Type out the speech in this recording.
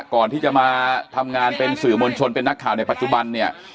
ก่อนที่จะมาทำงานเป็นสื่อมวลชนเป็นนักข่าวในปัจจุบันเนี่ย